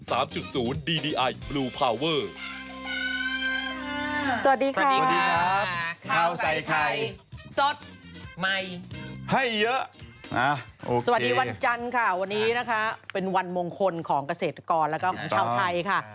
สวัสดีวันจันทร์ค่ะวันนี้นะคะเป็นวันมงคลของเกษตรกรและของชาวไทยค่ะ